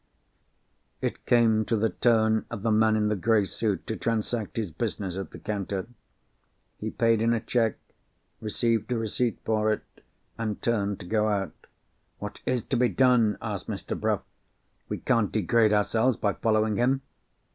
It came to the turn of the man in the grey suit to transact his business at the counter. He paid in a cheque—received a receipt for it—and turned to go out. "What is to be done?" asked Mr. Bruff. "We can't degrade ourselves by following him."